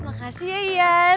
makasih ya ian